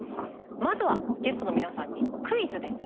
まずはゲストの皆さんにクイズです。